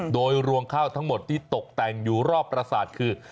โดยรวงข้าวทั้งหมดที่ตกแต่งอยู่รอบประสาทคือ